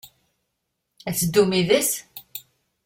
Ad teddum yid-s?